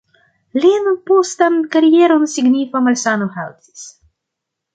Lian postan karieron signifa malsano haltis.